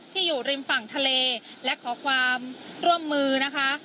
อยู่ริมฝั่งทะเลและขอความร่วมมือนะคะ